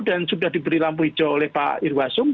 dan sudah diberi lampu hijau oleh pak irwasung